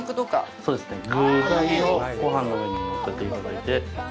そうですね、具材をごはんの上にのせていただいて。